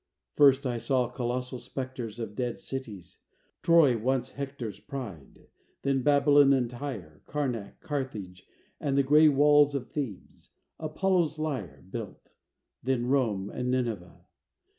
First I saw colossal spectres Of dead cities: Troy once Hector's Pride; then Babylon and Tyre; Karnac, Carthage, and the gray Walls of Thebes, Apollo's lyre Built; then Rome and Nineveh.